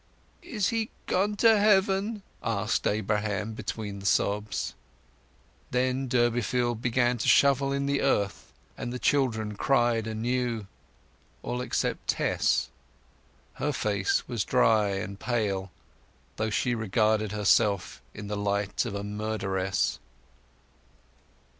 "Is he gone to heaven?" asked Abraham, between the sobs. Then Durbeyfield began to shovel in the earth, and the children cried anew. All except Tess. Her face was dry and pale, as though she regarded herself in the light of a murderess.